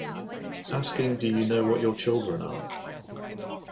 Asking Do You Know What Your Children Are?